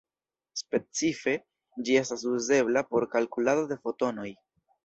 Specife, ĝi estas uzebla por kalkulado de fotonoj.